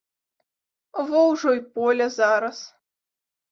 Во ўжо й поле зараз.